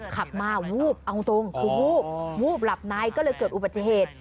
ขับมาวูบเอาตรงคือวูบวูบหลับในก็เลยเกิดอุบัติเหตุ